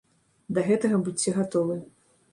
Да гэтага будзьце гатовы.